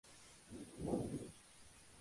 Es un queso moderno apto para vegetarianos.